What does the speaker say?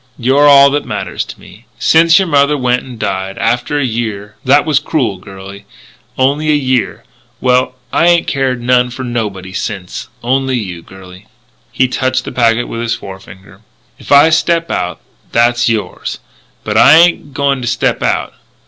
You're all that matters to me ... since your mother went and died ... after a year.... That was crool, girlie. Only a year. Well, I ain't cared none for nobody since only you, girlie." He touched the packet with his forefinger: "If I step out, that's yours. But I ain't a going to step out.